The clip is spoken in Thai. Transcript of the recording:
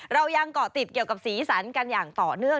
เรายังเกาะติดเกี่ยวกับสีสันกันอย่างต่อเนื่อง